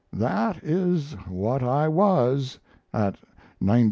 That is what I was at 19 20.